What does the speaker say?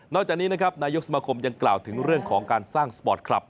จากนี้นะครับนายกสมาคมยังกล่าวถึงเรื่องของการสร้างสปอร์ตคลับ